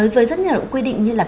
với rất nhiều quy định như là